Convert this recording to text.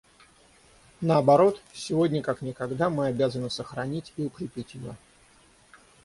Наоборот, сегодня как никогда мы обязаны сохранить и укрепить ее.